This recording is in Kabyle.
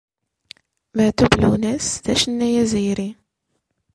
Matoub Lounes d acennay azzayri.